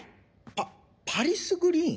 パパリスグリーン？